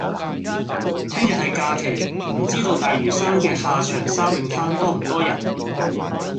聽日係假期，唔知道大嶼山嘅下長沙泳灘多唔多人？